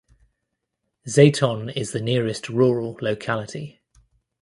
Zaton is the nearest rural locality.